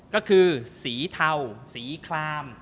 ก็คือสีเทาสีคลาม